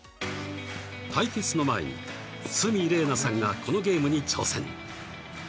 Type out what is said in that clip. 対決の前に鷲見玲奈さんがこのゲームに挑戦